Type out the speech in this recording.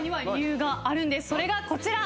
それがこちら！